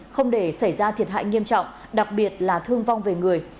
không để xảy ra thiệt hại nghiêm trọng đặc biệt là thương vong về người